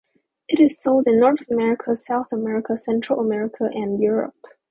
It is sold in North America, South America, Central America, and Europe.